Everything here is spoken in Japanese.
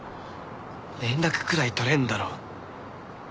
連絡くらい取れるだろ。